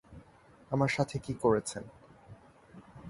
আমার সাথে কী করছেন?